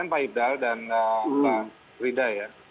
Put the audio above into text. nah soal penyelesaian pak ipdal dan pak rida ya